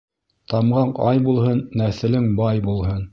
Тамғаң ай булһын, нәҫелең бай булһын.